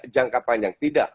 jangka panjang tidak